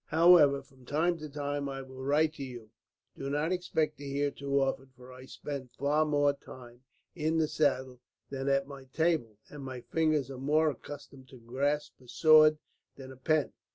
However, from time to time I will write to you. Do not expect to hear too often, for I spend far more time in the saddle than at my table, and my fingers are more accustomed to grasp a sword than a pen.